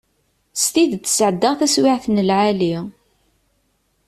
S tidet sεeddaɣ taswiεt n lεali.